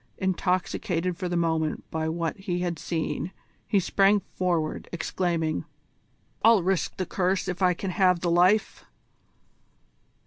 Intoxicated for the moment by what he had seen, he sprang forward, exclaiming: "I'll risk the curse if I can have the life!"